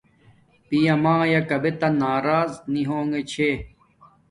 پیا مایا کابتا نارض نی ہونگے چھے